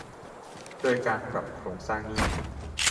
โดยการปรับโครงสร้างหนี้